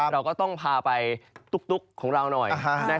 เราก็ต้องพาไปตุ๊กของเราหน่อย